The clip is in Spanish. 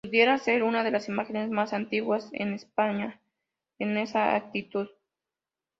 Pudiera ser una de las imágenes más antiguas en España en esta actitud.